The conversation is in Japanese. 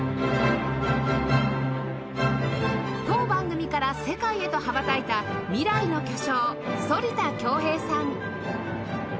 当番組から世界へと羽ばたいた未来の巨匠反田恭平さん